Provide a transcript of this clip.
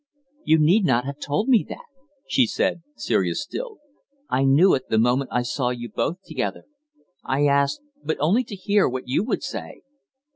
"You need not have told me that," she said, serious still. "I knew it the moment I saw you both together. I asked but only to hear what you would say."